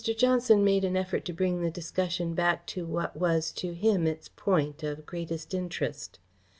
Johnson made an effort to bring the discussion back to what was to him its point of greatest interest.